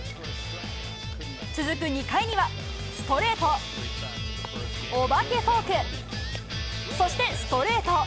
続く２回には、ストレート、お化けフォーク、そしてストレート。